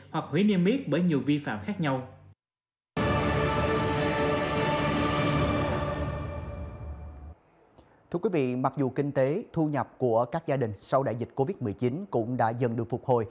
hoặc hủy niêm yết bởi nhiều vi phạm khác nhau